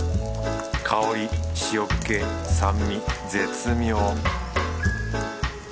香り塩っけ酸味絶妙